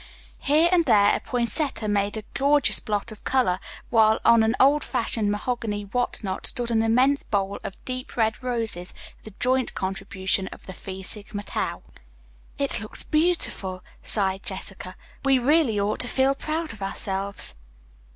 Here and there a poinsettia made a gorgeous blot of color, while on an old fashioned mahogany what not stood an immense bowl of deep red roses, the joint contribution of the Phi Sigma Tau. "It looks beautiful," sighed Jessica, "we really ought to feel proud of ourselves."